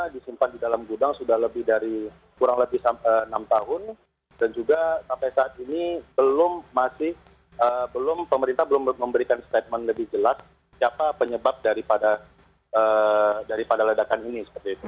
disimpan di dalam gudang sudah lebih dari kurang lebih enam tahun dan juga sampai saat ini belum masih belum pemerintah belum memberikan statement lebih jelas siapa penyebab daripada ledakan ini